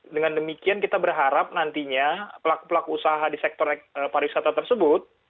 dengan demikian kita berharap nantinya pelaku pelaku usaha di sektor pariwisata tersebut